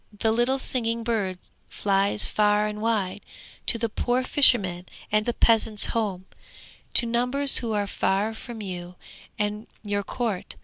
The little singing bird flies far and wide, to the poor fisherman, and the peasant's home, to numbers who are far from you and your court.